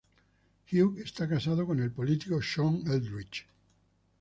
Hughes está casado con el político Sean Eldridge.